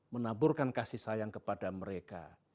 menaburkan kasih sayang kepada mereka